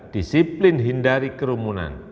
disiplin hindari kerumunan